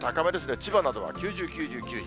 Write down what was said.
千葉などは９０、９０、９０。